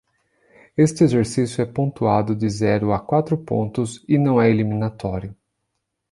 Este exercício é pontuado de zero a quatro pontos e não é eliminatório.